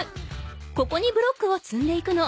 ここにブロックをつんでいくの。